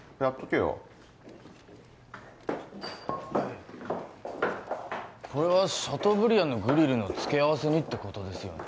はいこれはシャトーブリアンのグリルの付け合わせにってことですよね